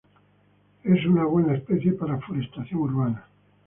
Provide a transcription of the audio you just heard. Es una buena especie para forestación urbana.